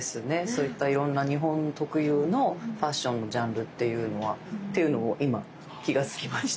そういったいろんな日本特有のファッションのジャンルっていうのはっていうのを今気が付きました。